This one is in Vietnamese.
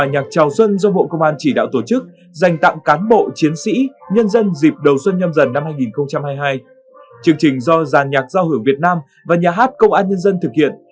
năm hai nghìn hai mươi hai có sự tham gia biểu diễn của giàn nhạc giao hưởng việt nam và nhà hát công an nhân dân thực hiện